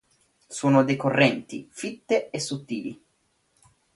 Sono decorrenti, fitte e sottili.